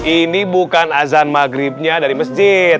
ini bukan azan maghribnya dari masjid